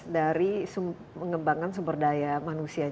dari mengembangkan sumber daya manusia